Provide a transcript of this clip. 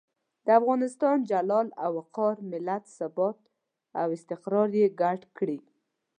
د افغانستان جلال او وقار، ملت ثبات او استقرار یې ګډ کړي.